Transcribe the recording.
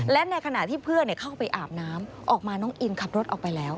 และในขณะที่เพื่อนเข้าไปอาบน้ำออกมาน้องอินขับรถออกไปแล้ว